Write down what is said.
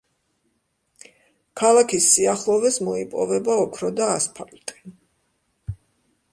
ქალაქის სიახლოვეს მოიპოვება ოქრო და ასფალტი.